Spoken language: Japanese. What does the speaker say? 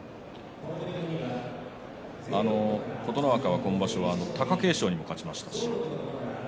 琴ノ若、今場所貴景勝にも勝ちました。